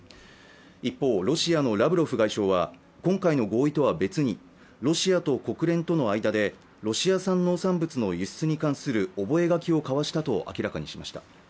一方、ロシアのラブロフ外相は今回の合意とは別にロシアと国連との間でロシア産農産物の輸出に関する覚書を交わしたと明らかにしました。